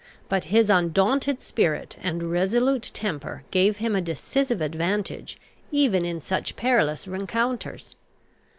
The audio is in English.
But his undaunted spirit and resolute temper gave him a decisive advantage even in such perilous rencounters.